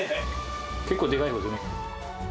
結構でかいほうだね。